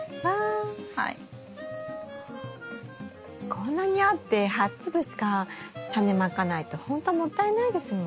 こんなにあって８粒しかタネまかないってほんともったいないですもんね。